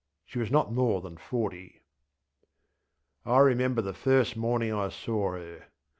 She was not more than forty. I remember the first morning I saw her.